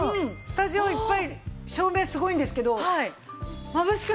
スタジオいっぱい照明すごいんですけど。